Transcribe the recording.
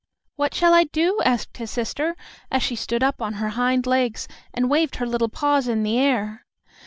"What shall I do?" asked his sister, and she stood up on her hind legs and waved her little paws in the air.